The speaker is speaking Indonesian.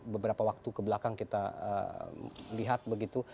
beberapa waktu kebelakang kita lihat begitu